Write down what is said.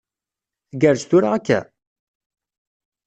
Tgerrez tura akka?